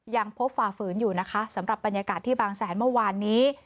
ยังพบฝ่าฝืนอยู่นะคะสำหรับบรรยากาศที่บางแสนเมื่อวานนี้